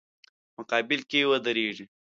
مقابل کې ودریږي.